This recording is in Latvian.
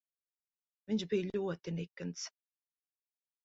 Viņš bija ļoti nikns.